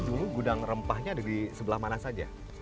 dulu gudang rempahnya ada di sebelah mana saja